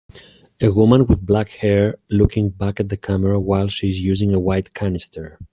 A woman with black hair looking back at the camera while she is using a white canister.